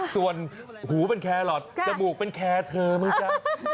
ส่วนหูเป็นแครอทจมูกเป็นแคร์เธอไหมจ๊ะ